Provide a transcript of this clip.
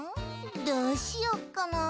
どうしよっかな。